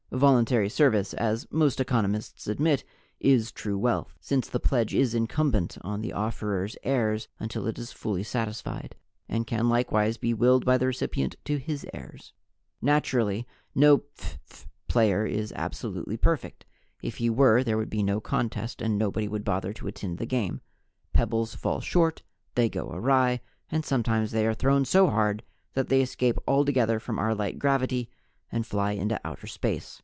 (Voluntary service, as most economists admit, is true wealth, since the pledge is incumbent on the offerer's heirs until it is fully satisfied, and can likewise be willed by the recipient to his heirs). Naturally, no phph player is absolutely perfect; if he were, there would be no contest and nobody would bother to attend a game. Pebbles fall short, they go awry, and sometimes they are thrown so hard that they escape altogether from our light gravity and fly into outer space.